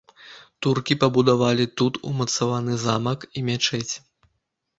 Туркі пабудавалі тут умацаваны замак і мячэць.